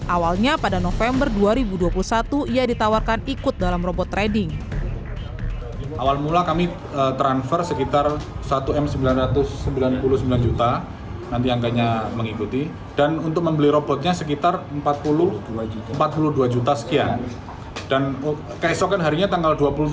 awalnya pada november dua ribu dua puluh satu ia ditawarkan ikut dalam robot trading